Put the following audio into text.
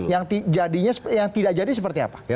yang tidak jadi seperti apa